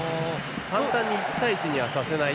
簡単に１対１にはさせない。